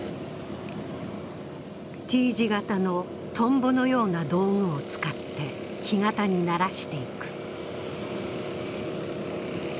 Ｔ字型のトンボのような道具を使って、干潟にならしていく。